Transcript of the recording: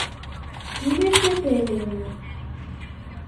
Нимә эшләтәйем мин уны?